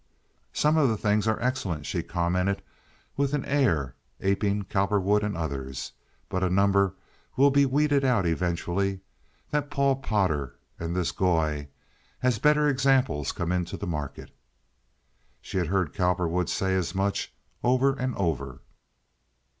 "Some of the things are excellent," she commented, with an air, aping Cowperwood and others, "but a number will be weeded out eventually—that Paul Potter and this Goy—as better examples come into the market." She had heard Cowperwood say as much, over and over.